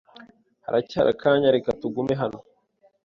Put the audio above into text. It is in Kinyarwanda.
Haracyari akanya reka tugume hano?